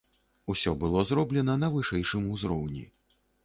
Усё было зроблена на вышэйшым узроўні.